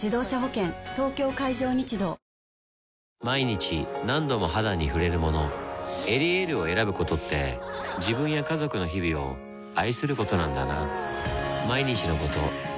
東京海上日動毎日何度も肌に触れるもの「エリエール」を選ぶことって自分や家族の日々を愛することなんだなぁ